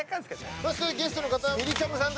ゲストの方はみりちゃむさん。